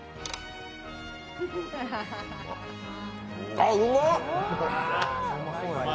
あっ、うまっ！